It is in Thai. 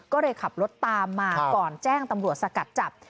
ก็เลยขับรถตามมาก่อนแจ้งตำรวจสกัดจับ